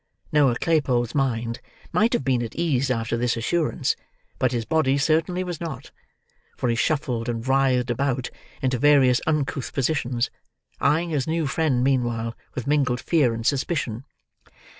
Noah Claypole's mind might have been at ease after this assurance, but his body certainly was not; for he shuffled and writhed about, into various uncouth positions: eyeing his new friend meanwhile with mingled fear and suspicion.